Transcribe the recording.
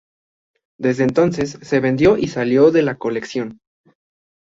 Desde entonces se vendió y salió de la colección.